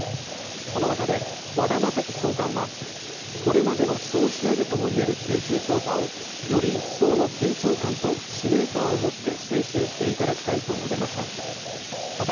その中で、和田雅樹長官はこれまでの総仕上げともいえる集中調査をより一層の緊張感と使命感を持って推進していただきたいと述べました。